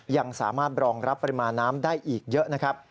ยังสามารถรองรับปริมาณน้ำได้อีกเยอะนะครับ